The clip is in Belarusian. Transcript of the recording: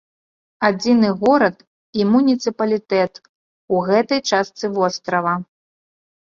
Адзіны горад і муніцыпалітэт у гэтай частцы вострава.